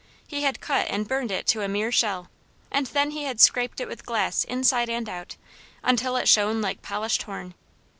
He had cut and burned it to a mere shell, and then he had scraped it with glass inside and out, until it shone like polished horn.